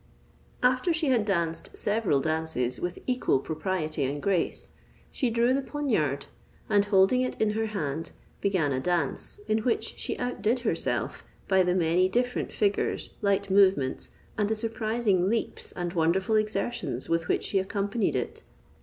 After she had danced several dances with equal propriety and grace, she drew the poniard, and holding it in her hand, began a dance, in which she outdid herself, by the many different figures, light movements, and the surprising leaps and wonderful exertions with which she accompanied it.